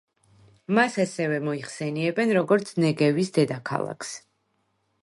მას ასევე მოიხსენიებენ როგორც ნეგევის დედაქალაქს.